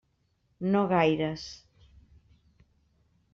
No gaires.